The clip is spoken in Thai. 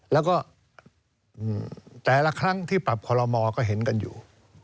แล้วก็แต่ละครั้งที่ปรับคอลโมก็เห็นกันอยู่